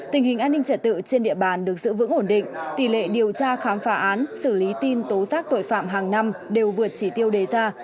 tình hình an ninh trật tự trên địa bàn được giữ vững ổn định tỷ lệ điều tra khám phá án xử lý tin tố giác tội phạm hàng năm đều vượt chỉ tiêu đề ra